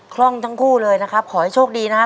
คล่องทั้งคู่เลยนะครับขอให้โชคดีนะครับ